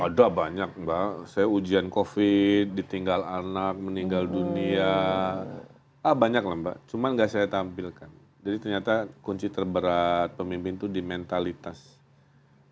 ada banyak mbak saya ujian covid ditinggal anak meninggal dunia banyak lah mbak cuman enggak saya tampilkan jadi ternyata kunci terberat pemimpin itu di mentalitas ya